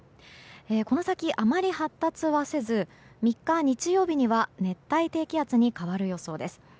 この先あまり発達はせず３日、日曜日には熱帯低気圧に変わる予想です。